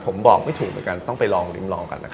ผมบอกไม่ถูกเหมือนกันต้องไปลองริมลองกันนะครับ